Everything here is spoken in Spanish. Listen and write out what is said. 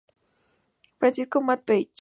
Francisco May Pech.